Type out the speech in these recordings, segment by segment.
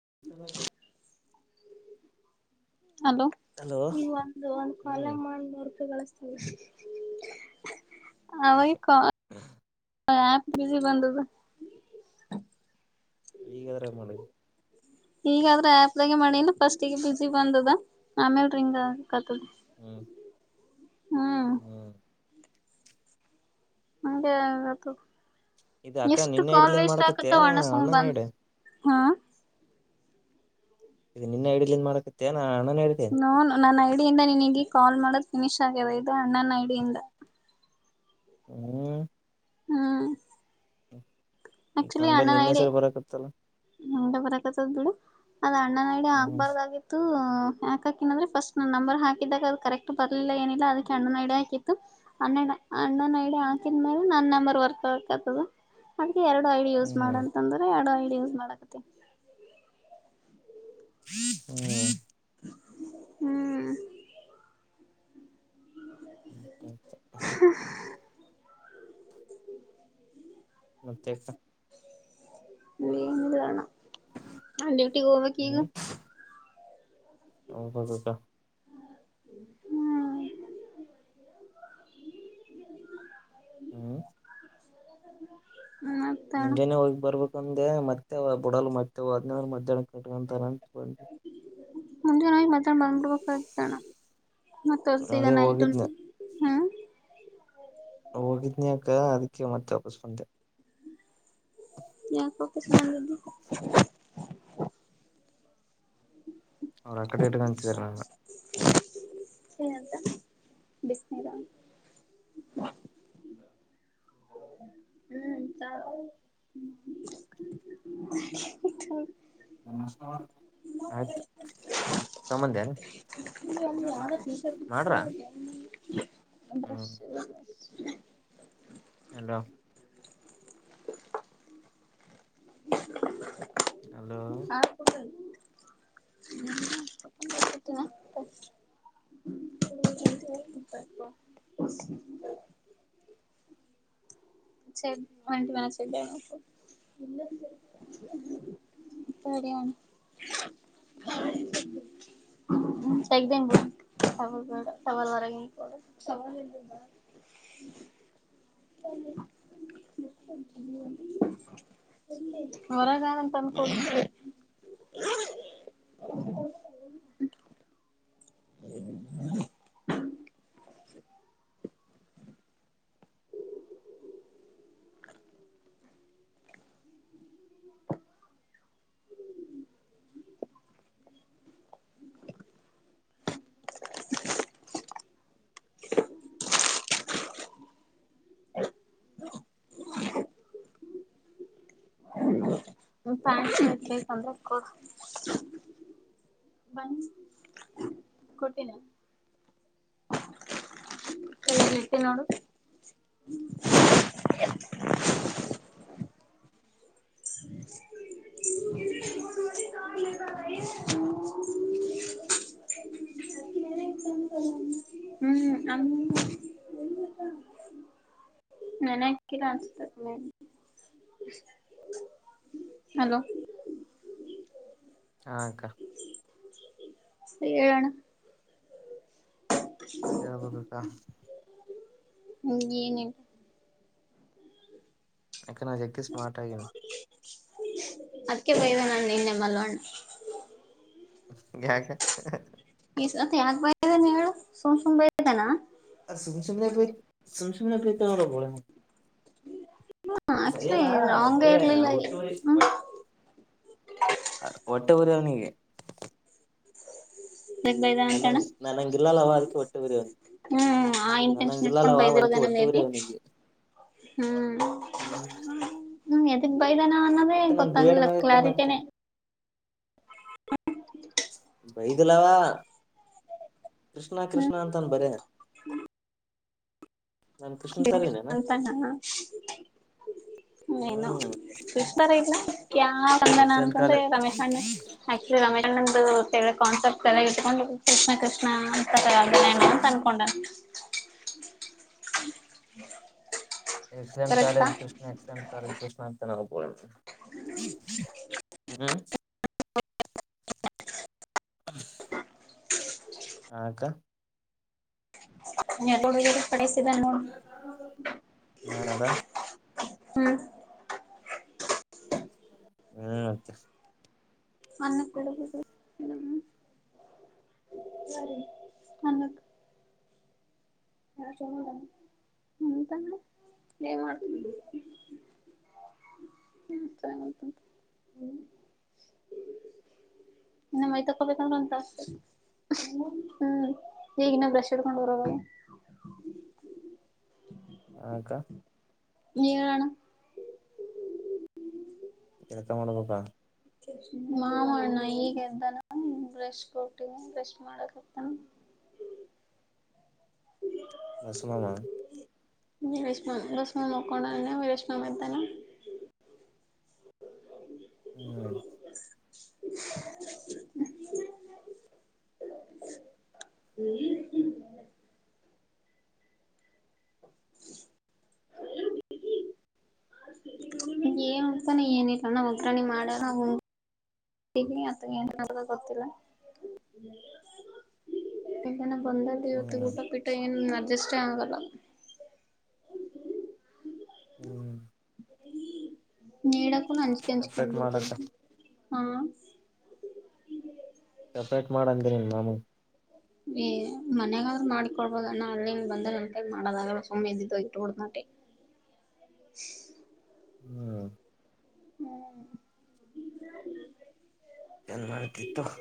[unintelligible] hello hello ಹ್ಮ್ ಅವಾಗ್ಲೇ call ಹ ಬಿಸಿ ಬಂದದ ಈಗರಾ ಮಾಡಿ ಈಗಾದ್ರೆ ಆಪ್ದಾಗೆ ಮಾಡಿಲ್ಲ ಫಸ್ಟ್ ಈಗ ಬಿಸಿ ಬಂದದ ಆಮೇಲ್ ರಿಂಗ್ಕತದೆ ಹ್ಮ್ ಹ್ಮ್ ಹಾಗೆ ಹೇಳಬೇಕು ಇದು ಅಕ್ಕ ಎಷ್ಟು ನಿನ್ನೆ ಕಾಲ್ ಹಿಡ್ಲಿಂದ ವೇಸ್ಟ್ ಮಾಡಕತ್ತೆ ಆಗಾಕತವಣ್ಣ ಸುಮ್ನ್ ಅಣ್ಣನ ಬಂದ ಹಿಡ ಈಗ ನಿನ್ನ ಐ ಡಿ ಅಲ್ಲಿ ನೀನು ಮಾಡಕತಿಯೇನ ನ ನನ್ನ ಐಡಿಯಿಂದ ನೀನ್ಗ ಕಾಲ್ ಮಾಡೋದು ಫಿನಿಶ್ ಆಗ್ಯದ ಇದುಣನ್ನ ಐಡಿಯಿಂದ ಹ್ಮ್ ಹ್ಮ ಆಕ್ಚುಲಿ ನನ್ ಅಣ್ಣ ಬಲ್ ನಿನ್ನೆ ಹೇಳಿ ಸರಿ ಬರಕತ್ತಲ್ಲ ಹಂಡ ಬರಕತ್ತದ್ ಬಿಡು ಅದ್ ಅಣ್ಣ ಇಂಗೆ ಹ್ಮ್ ಆಗ್ಬಾರ್ದಾಗಿತ್ತು ಯಾಕಿಂದ್ರೆ ಫಸ್ಟ್ ನಂಬರ್ ಹಾಕಿದಾಗ ಅದು ಕರೆಕ್ಟ್ ಬರ್ಲಿಲ್ಲ ಏನಿಲ್ಲ ಅದಕ್ಕೆ ಅಣ್ಣಾದು ಐ ಡಿ ಹಾಕಿತ್ತು ಅಣ್ಣ್ಣ ಅಣ್ಣ ಐ ಡಿ ಹಾಕಿದ ಮೇಲೆ ನನ್ನ ನಂಬರ್ ವರ್ಕ್ ಹಾಕಕತ್ತದ್ದ ಎರಡು ಐಡಿ ಯೂಸ್ ಹ್ಮ್ ಮಾಡಂತಂದ್ರೆ ಎರಡು ಐಡಿ ಯೂಸ್ ಮಾಡಕತಿ ಓ ಹ್ಮ್ [inaudible] ಮತ್ತ ನೀಣ ಅಂದ ಕುಊಟ್ಟಿಗೆ ಹೋಗಕ್ಕಗ ಹ್ಮ್ [unintelligible] ಹ್ಮ್ ಹ್ಮ್ ಮತ್ತಣ ಕಂದೆ ಮತ್ತೇ ಬುಡಲ್ ಮಾಡ್ತೇವ ಅದ್ನ ಮಧ್ಯಾಹ್ನ ಕಟ್ಟ ಅಂತ ಅತ್ಕೊಂಡವಿ ಮುಂಜೆೋಗ ಮ್ ಬಂದ್ಬಿಡ್ಬೇಕಾಗತಣ ಮತ್ತ ಈಗ ಅದೇ ನೈಟ್ಂಟ ಹೋಗಿದ್ನ ಹ್ಮ್ ಹೋಗಿದ್ನ್ಯಕ ಆಗತಿ ಮತ್ತೆ ವಾಪಸ್ ಬಂದೆ [unintelligible] ಅವರು ಅಕ್ಕಡೆ ಇಟ್ಟಕ ಅಂತಿದಾರೆ ನಗೆ [unintelligible] ಆಯ್ತು ಸಂಬಂಧ ಹ್ಮ್ [unintelligible] ಹಲ್ಲೋ ಹಲೋ ಬಂದಿದ್ದಿ ಸ ವಂಡಿ ಮಾಡ ಸೆದ [unintelligible] ಸರಿಯಣ ಹ್ಮ ತೆಗ್ದೇ ಸ ಬೇಡ ಸವಾಲ್ವರಗೆಡ ಹ ಹೊರಗಂತನ್ಕೋಗ ಹ [unintelligible] ಬಂದ ಕೊಟ್ಟಿನ ಹ [unintelligible] ಹ ಹ ಹ ಹ್ಮ್ ನಾನ ನಸತ ಹಲೋ ಹಾಕ್ಕ ಸಣ ಎಬೇಕಬೇಕಕ್ಕಾ ಹ್ಮ್ ಏನ ಯಕ ನ ಜಕ್ಕ ಸ್ಮಾರ್ಟ್ ಆಗನ್ ಅದ್ಕ್ಕೆ ಬಯವ ನಣ್ಣ ನಿನ್ನೆ ಮಲ್ವಣ್ಣ ಯಕ ಈ ಮತ್ ಯಾಕ ಬ ಹೇಳು ಸುಮ್ ಸುಮ್ ಬತಾನ ಸುಮಸಮ ಸುಮಸಮರ ಬೋಳ ಆಕ್ಚುಲಿ ಬರಿಲ್ಲಾ ಬರ ರಾಂಗೇ ಇರ್ಲಿಲ್ಲ ಉಟು ಹ್ಮ ಒಟ್ಟಪರಾವನಿಗೆ ಯಾಕ್ ಬೈದಾನ ನನ್ನಂಗ ಅಂತಣ್ಣ ನಾನ ಅಂಗಲ್ಲಾಲ್ಲ ಅವ ಅವದಕ್ಕೆ ಒಟ್ಟ ಬಿರಿವನೆ ಹ್ಮ್ ಆ ನನ್ನುಂಗ ಇಂಟೆನ್ಷನ್ ಇಟ್ಕೊಂಡ್ ಇಲ್ಲಲ್ಲವಾ ಬಳಕಿ ಬೈದಿರೋದೇನ ಒಟ್ಟ ಮೇ ಬಿ ಬಿರವ ನೀಗೆ ಹ್ಮ್ ಹ್ಮ ದಾನ ಅನ್ನೋದೇ ಗೊತ್ತಂಗಿಲ್ಲ ಕ್ಲಾರಿಟೇ ಹಾಕ್ತೇನಿ ಬೈದಲವಾ ಕೃಷ್ಣ ಹ್ಮ್ ಕೃಷ್ಣ ಅಂತಾನ ಬರೇ ನಾನ್ ಕೃಷ್ಣ ತರನೇನ ಅಂತಾನ ಹ ಏನು ಹ್ಮ್ ಎಸ್ಟತಾರ ಇಲ್ಲಾ ಯಾವ ತಂದಾನ ಎಕ್ಸಲೆಂಟ್ ಅಂತಂದ್ರೆ ಕಾಲೇಜ್ ರಮೇಶ್ ಅಣ್ಣ ಆಕ್ಚುಲಿ ರಮೇಶ್ ಅಣ್ಣದು ಕಾನ್ಸೆಪ್ಟಸ್ ಎಲ್ಲಾ ಇಟ್ಕೊಂಡು ಕೃಷ್ಣ ಕೃಷ್ಣ ತರುತ್ತಾರೆ ಏನ್ ಅಂತ ಅನ್ಕೊಂಡೆ [unintelligible] ಎಕ್ಸಾಮ್ ಕರೆಕ್ಟಾ college Krishna exam college Krishna ಅಂತ ನಾ ಬೋ ಹ್ಮ [unintelligible] [unintelligible] ಯಾಕ್ ನೀ ಯಾಕಡೆ ಆ ಕಡೆ ಸೀದಾ ನೋಡ್ ನಾನದ ಹೂ ಹ್ಮ್ ಅನ್ನಕೆ ಇಡಬೇಕು ಅನ್ನಕ್ಕ [unintelligible] ಉಂತಾನ ಏನ್ ಮಾಡ್ತಿದೀ [unintelligible] ಇನ್ನ ಮೈತಕೊಬೇಕ ಅಂದ್ರ ಒಂದ ತಾಸ ಹ್ಮ್ ಈಗ ಇನ್ನ ಬ್ರಷ್ ಹಿಡ್ಕೊಂಡ ಹೊರಬೇಕು ಯಾಕ ನೀ ಹೇಳ ಅಣ್ಣ ಜಳಕ ಮಾಡಬೇಕಾ ಹಾ ಅಣ್ಣ ಈಗ ಎದ್ದಾನ ಬ್ರಶ್ ಕೊಟ್ಟವು ಬ್ರಶ್ ಮಾಡಕತಾನ [unintelligible] ವೀರೇಶ್ ಮಾಮಾ ಬ್ರಷ್ ಮಾಡಿ ಮಕಂಡನ ವೀರಶ ಮಾಮ ಎದ್ದನ ಹ್ಮ್ [unintelligible] ಏನ್ ಉನಾತನ ಏನಿಲ್ಲ ಅಣ್ಣ ಒಗ್ರಾಣಿ ಮಾಡ್ಯಾರ ಉನು ತಿಗಿ ಅದ ಏನ್ ನಡೆದುದು ಗೊತ್ತಿಲ್ಲ ಏನ ಬಂದಲ್ಲಿ ಇವತ್ತು ಹ್ಮ್ ಊಟ ಪಿಟ್ಟ ಏನು ಅಡ್ಜಸ್ಟೇ ಆಗಲ್ಲ ಹ್ಮ್ ನೀಡಕೂ ಅಂಜಿಕೀ ಅಂಜಕಿ ಬಂದ ಸಪ್ರೇಟ್ ಮಾಡಕ ಬಿಡ್ತುದು ಹಾ ಸಪ್ರೇಟ್ ಮಾಡ್ ಅಂದಿನಿ ನಿಮ್ ಮಾಮುಗ ಏ ಮನ್ಯಗಾದ್ರರು ಮಾಡಿಕೊಳ್ಬೋದಣ್ಣ ಹೊಲದಿಂದ ಬಂದ್ರ ಅ ಮಾಡೋದಾಗಲ್ಲ ಸುಮ್ಮನೆ ಇದ್ದಿದ್ದೋಗ ಇಟ್ಟು ಬಿಡ್ತೀನಿ ವೋಟ್ [unintelligible] [unintelligible] ಹ್ಮ್ [unintelligible] ಏನ್ ಮಾಡ್ತಿ ತೊಗೊ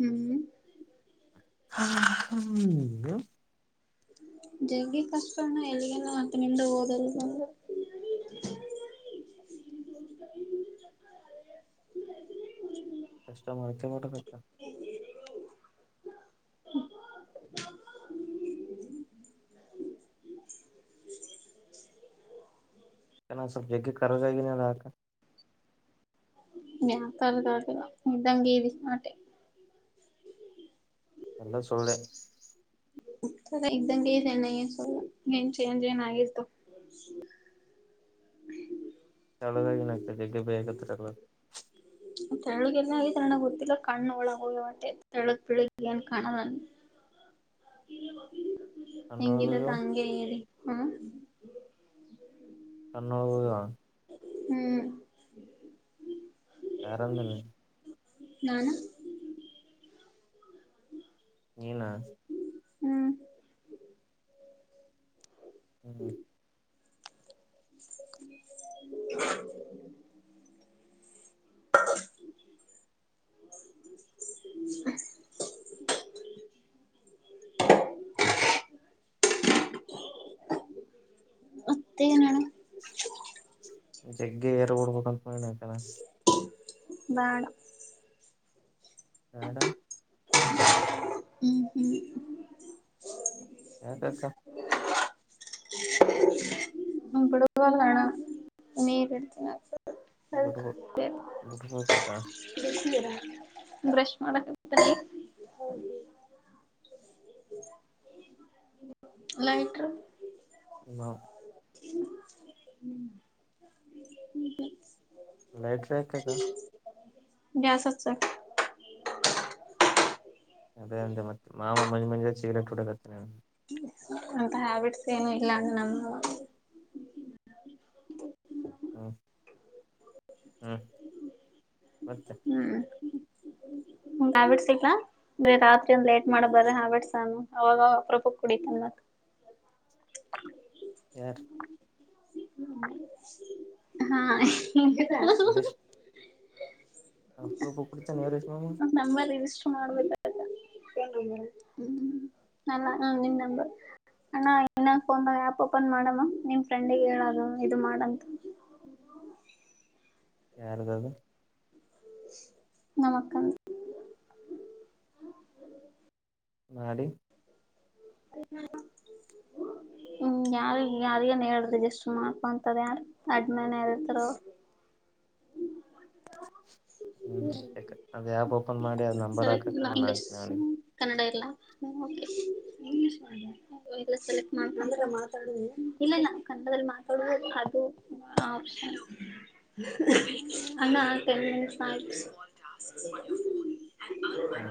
ಹ್ಮ್ ಹಾ ಹ್ಮ್ ಜಗ್ಗಿ ಕಷ್ಟ ಅಣ್ಣ ಎಲ್ಲಿಗೆನ ಹೊತಕೊಂಡೆ ಹೊಡೆ ಅಂದ್ರ [unintelligible] ಕಷ್ಟ ಮಾಡ್ಕೆ ಮಾಡಬೇಕ ಎಲ್ಲಾ ಸ್ವಲ್ಪ ಜಗ್ಗಿ ಖರಗ ಆಗಿದಲ್ಲ ಅದಕ ಅತರ ಆಗಿಲ್ಲ ಇದಂಗ ಅಡಿವಿ ವೋಟೆ ಎಲ್ಲಾ ಸುಳ್ಳೇ ಹೆಂಗ ಇದೆ ಅಲ್ಲ ಏನ್ ಚೇಂಜ್ ಆಗಿಲ್ಲ ತೆಳ್ಳಗಾಗಿ ನಿಂತ ಜಗ್ಗು ಭಯ ಕಥೆ [unintelligible] ತೆಳಗ ಎಲ್ಲ ಆತಣ ಗೊತ್ತಿಲ್ಲ ಕಣ್ಣು ಒಳಗ ಹೋಗ್ಯವಂತೆ ತೆಳಗ್ ಪಳಗ್ ಏನ್ ಕಾಣ ನ [inaudible] ಹೆಂಗಿಲ್ಲ ಕಣ್ಣೊಳಗೋಗ್ಯವ ಹಂಗೆ ಇದೀನಿ ಹ್ಮ ಕಣ್ಣೂರು ಹ್ಮ್ ಯಾರಂಗೆ ನೀನು ನಾನು ನೀನಾ ಹ್ಮ್ [inaudible] [inaudible] [unintelligible] ಮತ್ತೆ ಏನು ಅಣ್ಣ ಜಗ್ಗೆ ಏರ್ ಬಿಡ್ಬೇಕಂತ ಆಸೆ ಬೇಡ ಬೇಡ ಹ್ಮ್ ಹ್ಮ ಹ್ಮ ಯಕೆ ಹ್ಮ ಬಿಳಬಲ್ಣ ನೀರುಡ್ತನ ಬಿಡ್ಬ [unintelligible] ಬಿಡ್ಬೇಕಕ್ಕ ಬಿಸಿನೀರ ಬ್ರಷ್ ಮಾಡಕ್ಕೆ ಹೋಗಿತಿಯ ಲೈಟರು ನೋ ಲೈಟರ್ ಯಾಕಿಗ ಗ್ಯಾಸ್ ಹಚ್ಚಕ್ಕೆ ಅದೇ ಅಂದೆ ಮತ್ತೆ ಮಾಮ ಮಂಜಿ ಮಂಜ ಸಿಗ್ರೇಟ್ ಹುಡಕತ್ತೆ ಅಂತ ಹ್ಯಾಬಿಟ್ಸ್ ಏನು ಇಲ್ಲ ನಮ್ಮ ಹ್ಮ್ ಹ್ಮ್ ಮತೆ ಹ್ಮ್ [inaudible] ಹ್ಯಾಬಿಟ್ಸ್ ಇಲ್ಲ ಬೇಗ ರಾತ್ರಿ ಒಂದ್ ಲೇಟ್ ಮಾಡಬ್ರರೆ ಹ್ಯಾಬಿಟ್ಸ್ ಅವಾಗ ಅಪ್ರೊಪಕ್ಕೆ ಕುಡಿತನ್ ಮತ್ ಯಾರು ಹಾ [unintelligible] ಹಪರೂಪ ಕುಡಿತನ ಯಾರು ನ ನಂಬರ್ ರಿಜಿಸ್ಟರ್ ಮಾಡ್ಬೇಕ ಅಲ್ಲ ಹ್ಮ ನಿನ್ನ ನಂಬರ್ ಅಣ ಇದನ್ನ ಒಂದ ಆ್ಯಪ್ ಓಪನ್ ಮಾಡಮ್ಮ ನಿಮ್ ಫ್ರೆಂಡಿಗೆ ಹೇಳದು ಇದು ಮಾಡಂತ [inaudible] ಯಾರದದು ನಮಕ ನಡಿ [inaudible] ಹ್ಮ ಯಾರಿ ಯಾರಿಗನ್ ಹೇಳ್ದ ಜಸ್ಟ್ ಮಾಡ್ಕೊಂತದ ಯಾರ ಅಡ್ಮೇನತರು ಹ್ಮ್ ಅದ ಆ್ಯಪ್ ಓಪನ್ ಮಾಡಿ ಅದ್ ನಂಬರ್ ಸೆಲೆಕ್ಟ್ ಹಾಕಕ್ಕ ನಾನು ಲಾಂಗ್ವೇಜ್ ಹಾಕ್ತೀನಿ ಅವನಿಗೆ ಕನ್ನಡ [unintelligible] ಮಾತಾಡು ಇಲ್ಲ ಇಲ್ಲ ಕಂಡದಲ್ಲಿ ಮಾತಾಡುವ ಅದು ಅಣ್ಣ ಟೆನ್ ಮಿನಿಟ್ಸ್ ಅಯ್ತು ಹ್ಮ